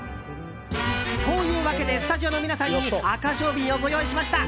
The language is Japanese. というわけでスタジオの皆さんにアカショウビンをご用意しました。